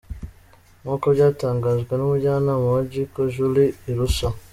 Nkuko byatangajwe numujyanama wa Jackie, Julie Erusa,.